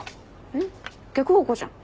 えっ逆方向じゃん。